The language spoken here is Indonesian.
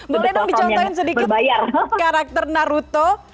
boleh dong dicontohin sedikit karakter naruto